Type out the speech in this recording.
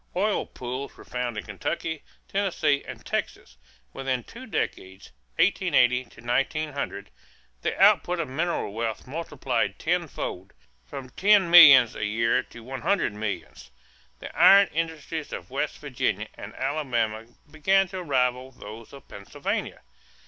Oil pools were found in Kentucky, Tennessee, and Texas. Within two decades, 1880 to 1900, the output of mineral wealth multiplied tenfold: from ten millions a year to one hundred millions. The iron industries of West Virginia and Alabama began to rival those of Pennsylvania.